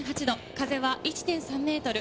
風は１．３メートル。